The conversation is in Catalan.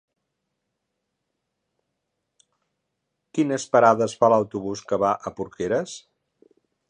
Quines parades fa l'autobús que va a Porqueres?